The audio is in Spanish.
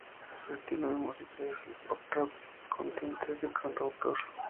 Su estilo de música es el pop rock con tintes de cantautor.